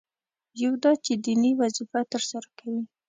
یو دا چې دیني وظیفه ترسره کوي.